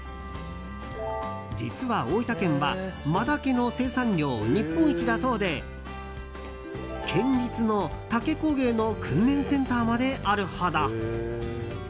実は、大分県は真竹の生産量日本一だそうで県立の竹工芸の訓練センターまであるほど。